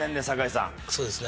そうですね